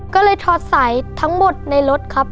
ก็เลยถอดสายทั้งหมดในรถครับ